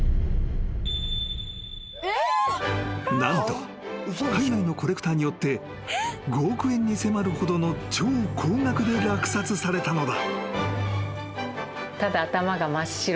［何と海外のコレクターによって５億円に迫るほどの超高額で落札されたのだ］